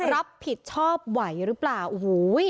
รับผิดชอบไหวหรือเปล่าโอ้โห